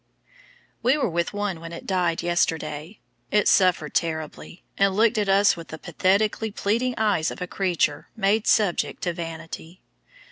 We were with one when it died yesterday. It suffered terribly, and looked at us with the pathetically pleading eyes of a creature "made subject to vanity."